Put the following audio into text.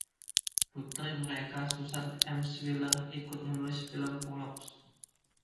Putri mereka, Susan Emshwiller, ikut menulis film Pollock.